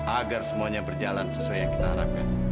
agar semuanya berjalan sesuai yang kita harapkan